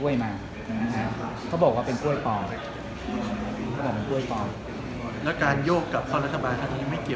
อย่างเมื่อเช้าฟูสุทิธิ